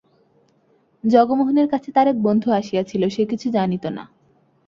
জগমোহনের কাছে তাঁর এক বন্ধু আসিয়াছিল, সে কিছু জানিত না।